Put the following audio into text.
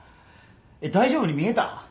大丈夫に見えた？